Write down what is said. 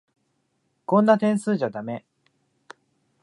こんな点数じゃだめ。